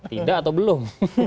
tidak atau belum